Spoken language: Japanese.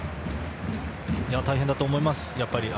大変だと思います。